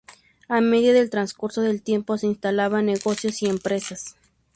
A medida del transcurso del tiempo, se instalaban negocios y empresas.